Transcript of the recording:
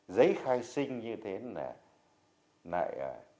giấy khai sinh như thế này